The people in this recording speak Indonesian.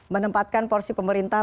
menempatkan porsi pemerintah